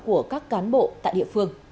của các cán bộ tại địa phương